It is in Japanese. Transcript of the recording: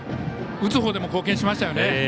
打つほうでも貢献しましたよね。